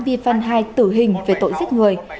vi văn hai tử hình về tội giết người